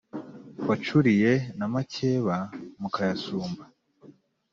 wacuriye na makeba mukayasumba.